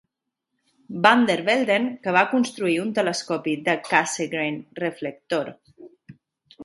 VanderVelden, que va construir un telescopi de Cassegrain reflector.